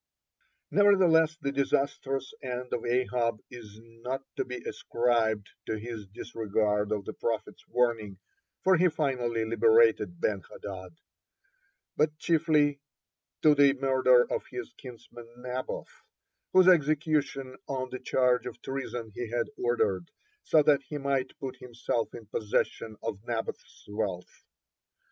(37) Nevertheless the disastrous end of Ahab is not to be ascribed to his disregard of the prophet's warning for he finally liberated Ben hahad, but chiefly to the murder of his kinsman Naboth, whose execution on the charge of treason he had ordered, so that he might put himself in possession of Naboth's wealth.